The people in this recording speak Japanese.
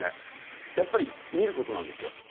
やっぱり見ることなんですよ。